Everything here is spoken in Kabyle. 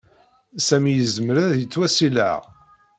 Sami yezmer ad yettwassileɣ.